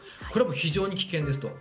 これは非常に危険です。